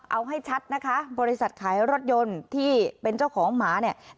เอาให้ชัดนะคะบริษัทขายรถยนต์ที่เป็นเจ้าของหมาเนี่ย